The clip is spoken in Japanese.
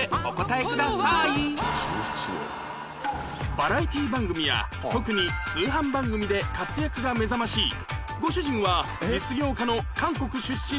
バラエティー番組や特に通販番組で活躍が目覚ましいご主人は実業家の韓国出身女性タレント